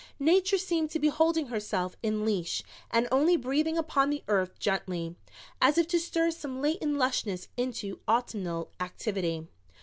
Nature seemed to be holding herself in leash and only breathing upon the earth gently, as if to stir some latent lushness into autumnal activity.